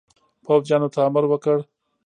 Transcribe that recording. پوځیانو ته امر وکړ.